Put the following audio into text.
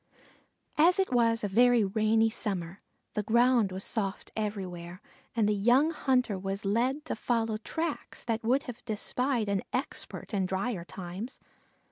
As it was a very rainy summer, the ground was soft everywhere, and the young hunter was led to follow tracks that would have defied an expert in dryer times.